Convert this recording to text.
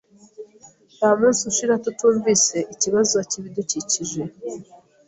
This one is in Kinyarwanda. Ntamunsi ushira tutumvise ikibazo cyibidukikije.